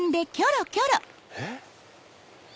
えっ？